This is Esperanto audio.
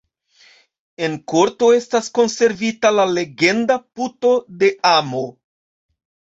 En korto estas konservita la legenda Puto de amo.